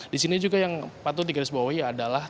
di sini juga yang patut digarisbawahi adalah